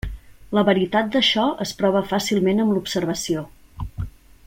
La veritat d'això es prova fàcilment amb l'observació.